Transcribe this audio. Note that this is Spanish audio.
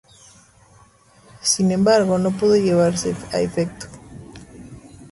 Sin embargo, no pudo llevarse a efecto.